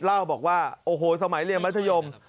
เล่าบอกว่าโอ้โหสมัยเรียนมัธยม